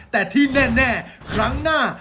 แต่ที่แน่ครั้งหน้า